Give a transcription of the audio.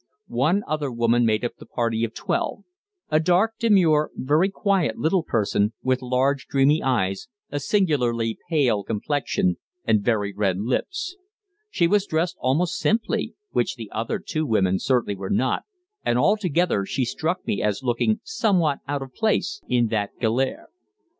One other woman made up the party of twelve a dark, demure, very quiet little person, with large, dreamy eyes, a singularly pale complexion, and very red lips. She was dressed almost simply, which the other two women certainly were not, and altogether she struck me as looking somewhat out of place in that galère.